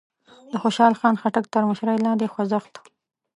د خوشال خان خټک تر مشرۍ لاندې خوځښت